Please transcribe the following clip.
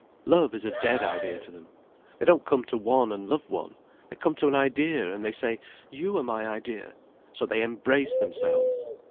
Love is a dead idea to them. They don't come to one and love one, they come to an idea, and they say 'You are my idea,' so they embrace themselves.